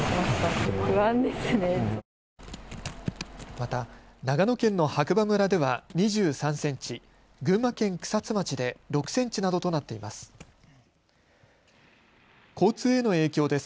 また長野県の白馬村では２３センチ、群馬県草津町で６センチなどとなっています。